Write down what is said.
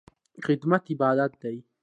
خدمت عبادت دی